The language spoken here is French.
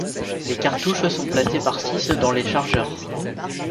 Les cartouches sont placées par six dans les chargeurs.